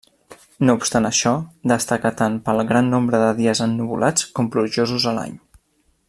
No obstant això, destaca tant pel gran nombre de dies ennuvolats com plujosos a l'any.